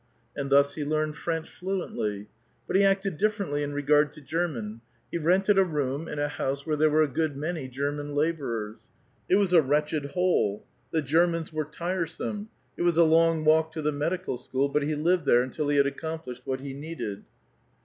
And thus he learned French fluently. But he acted differently in regard to German : he rented a room in a house where there were a good many German laborers ; it was a wretched hole ; the Geimans were tiresome ; it was a long walk to the medical school, but he lived there until he had accomplished what he needed.